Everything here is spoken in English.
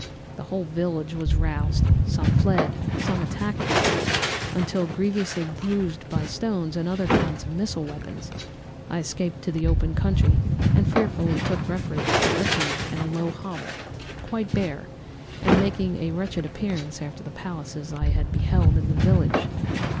The whole village was roused; some fled, some attacked me, until, grievously bruised by stones and many other kinds of missile weapons, I escaped to the open country and fearfully took refuge in a low hovel, quite bare, and making a wretched appearance after the palaces I had beheld in the village.